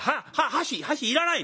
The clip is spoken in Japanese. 箸箸いらないの。